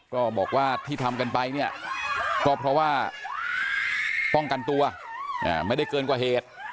ก็บอกว่าที่ทำกันไปเนี่ยก็เพราะว่าป้องกันตัวไม่ได้เกินกว่าเหตุ